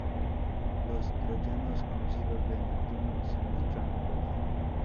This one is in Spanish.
Los troyanos conocidos de Neptuno se muestran en verde.